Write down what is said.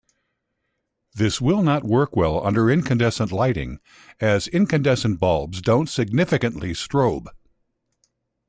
This will not work well under incandescent lighting, as incandescent bulbs don't significantly strobe.